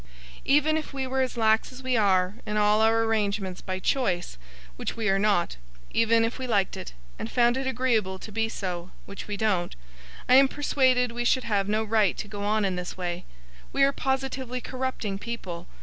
Even if we were as lax as we are, in all our arrangements, by choice which we are not even if we liked it, and found it agreeable to be so which we don't I am persuaded we should have no right to go on in this way. We are positively corrupting people.